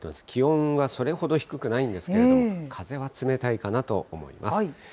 気温はそれほど低くないんですけれども、風は冷たいかなと思います。